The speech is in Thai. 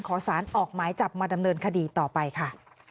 ขอสารออกหมายจับมาดำเนินคดีต่อไปค่ะ